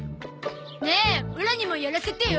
ねえオラにもやらせてよ。